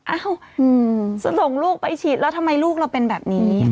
อ้าวจะส่งลูกไปฉีดแล้วทำไมลูกเราเป็นแบบนี้